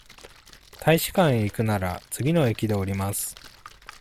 大使館へ行くなら、次の駅で降ります。